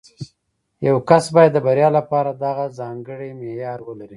یو کس باید د بریا لپاره دغه ځانګړی معیار ولري